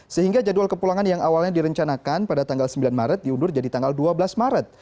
sehingga jadwal kepulangan yang awalnya direncanakan pada tanggal sembilan maret diundur jadi tanggal dua belas maret